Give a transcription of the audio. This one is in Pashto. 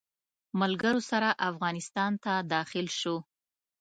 ملګرو سره افغانستان ته داخل شو.